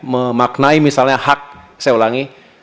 memaknai misalnya hak saya ulangi